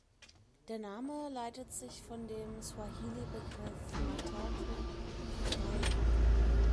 Der Name leitet sich von dem Swahili-Begriff "ma tatu" „für drei“ ab.